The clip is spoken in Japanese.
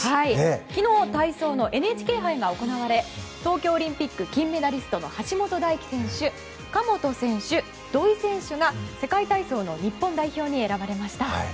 昨日体操のＮＨＫ杯が行われ東京オリンピック金メダリストの橋本大輝選手神本選手、土井選手が世界体操の日本代表に選ばれました。